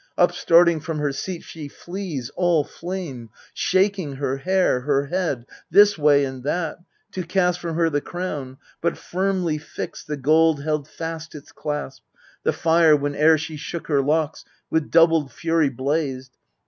Upstarting from her seat she flees, all flame, Shaking her hair, her head, this way and that, To cast from her the crown ; but firmly fixed The gold held fast its clasp : the fire, whene'er She shook her locks, with doubled fury blazed.